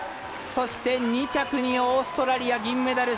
２着にオーストラリア、銀メダル。